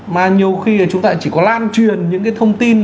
mà nhiều khi chúng ta chỉ có lan truyền những cái thông tin